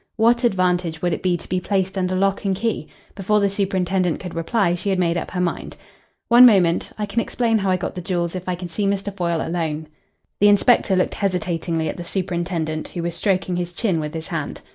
What advantage would it be to be placed under lock and key? Before the superintendent could reply she had made up her mind. "One moment. I can explain how I got the jewels if I can see Mr. Foyle alone." The inspector looked hesitatingly at the superintendent, who was stroking his chin with his hand.